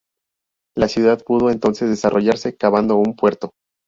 La ciudad pudo entonces desarrollarse cavando un puerto.